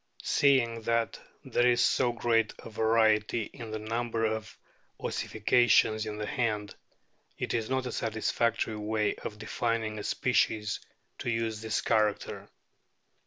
Seeing that there is so great a variety in the number of ossifications in the hand, it is not a satisfactory way of defining a species to use this character.